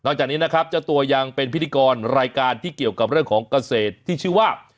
จากนี้นะครับเจ้าตัวยังเป็นพิธีกรรายการที่เกี่ยวกับเรื่องของเกษตรที่ชื่อว่า